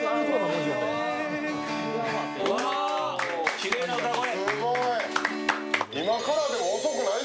きれいな歌声。